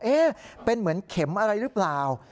เอ๊ะเป็นเหมือนเข็มอะไรหรือเปล่า